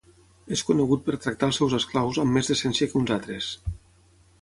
És conegut per tractar als seus esclaus amb més decència que uns altres.